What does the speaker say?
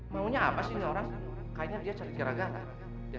maunya apa sih ini orang kayaknya dia cari cairan gala